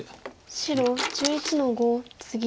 白１１の五ツギ。